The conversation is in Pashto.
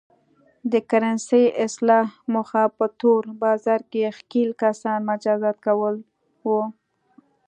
د کرنسۍ اصلاح موخه په تور بازار کې ښکېل کسان مجازات کول و.